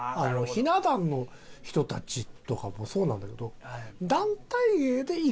ひな壇の人たちとかもそうなんだけど団体芸で１個って。